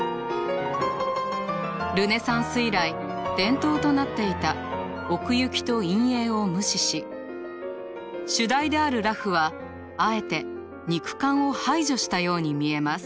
ルネサンス以来伝統となっていた奥行きと陰影を無視し主題である裸婦はあえて肉感を排除したように見えます。